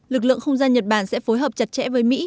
lực lượng không gian nhật bản sẽ phối hợp chặt chẽ với mỹ